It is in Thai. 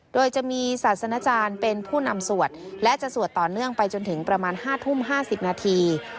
โดยจะมีศาสนาจารย์เป็นผู้นำสวดและจะสวดต่อเนื่องไปจนถึงประมาณ๕ทุ่ม๕๐นาที